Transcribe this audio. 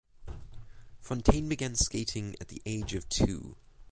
Fontaine began skating at the age of two.